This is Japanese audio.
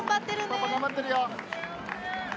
パパ頑張ってるよ。